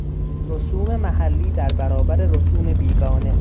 رسوم محلی در برابر رسوم بیگانه